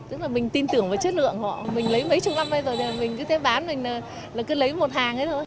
tức là mình tin tưởng vào chất lượng họ mình lấy mấy chục năm bây giờ mình cứ thế bán mình là cứ lấy một hàng ấy thôi